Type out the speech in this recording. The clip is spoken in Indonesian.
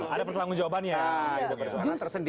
ada pertanggung jawabannya ya